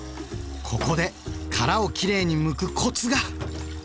ここで殻をきれいにむくコツが！